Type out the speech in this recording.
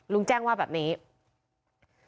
ลุงแจ้งว่าแบบนี้